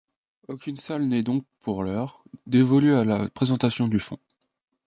Aucune salle n’est donc, pour l'heure, dévolue à la présentation du fonds.